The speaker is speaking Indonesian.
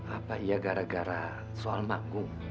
apa dia gara gara soal makmum